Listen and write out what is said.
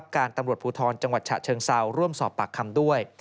การตำรวจภูทรจังหวัดฉะเชิงเซาร่วมสอบปากคำด้วย